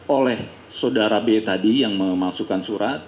oleh saudara b tadi yang memasukan